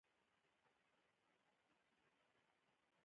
د سیستان نوم له ساکستان څخه دی